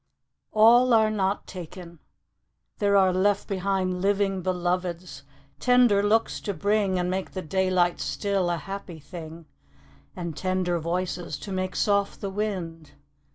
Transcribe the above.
A LL are not taken ! there are left behind Living Beloveds, tender looks to bring, And make the daylight still a happy thing, And tender voices, to make soft the wind.